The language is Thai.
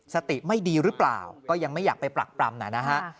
สติไม่ดีหรือเปล่าก็ยังไม่อยากไปปรักปรำนะฮะ